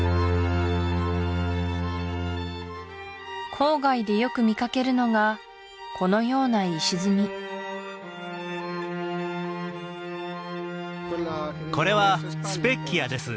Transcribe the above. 郊外でよく見かけるのがこのような石積みこれはスペッキアです